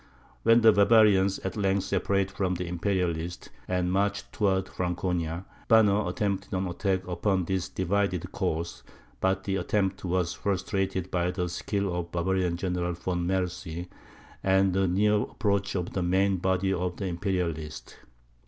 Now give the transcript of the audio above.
When the Bavarians at length separated from the Imperialists, and marched towards Franconia, Banner attempted an attack upon this divided corps, but the attempt was frustrated by the skill of the Bavarian General Von Mercy, and the near approach of the main body of the Imperialists.